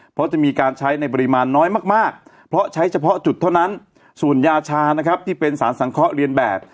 เพราะจะมีการใช้ในปริมาณน้อยมากเพราะใช้เฉพาะจุดเท่านั้นส่วนยาชานะครับที่เป็นสารสังเคราะห์เรียนแบบ